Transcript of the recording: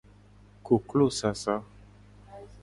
Koklosasa.